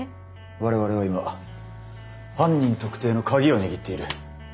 我々は今犯人特定のカギを握っている。